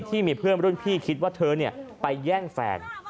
ที่มีเพื่อนรุ่นพี่คิดว่าเธอไปแย่งแฟน